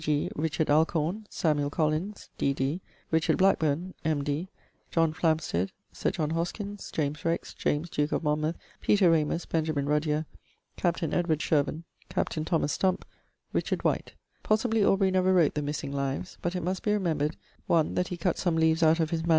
g., Richard Alcorne; Collins, D.D.; Richard Blackbourne, M.D.; Flamsted; Sir John Hoskins; James Rex; James, duke of Monmouth; Peter Ramus; Benjamin Ruddier; captain Sherburne; captaine Thomas Stump; Richard White. Possibly Aubrey never wrote the missing lives; but it must be remembered (1) that he cut some leaves out of his MS.